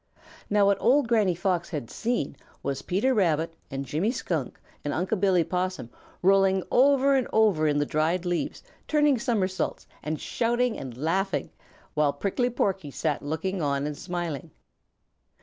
Now what old Granny Fox had seen was Peter Rabbit and Jimmy Skunk and Unc' Billy Possum rolling over and over in the dried leaves, turning somersaults, and shouting and laughing, while Prickly Porky sat looking on and smiling.